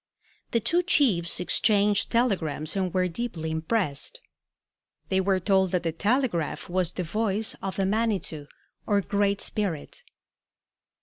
The two chiefs exchanged telegrams and were deeply impressed. They were told that the telegraph was the voice of the Manitou or Great Spirit.